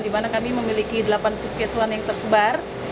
di mana kami memiliki delapan puskesuhan yang tersebar